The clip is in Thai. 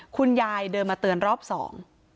คุณยายเดินมาเตือนรอบสอง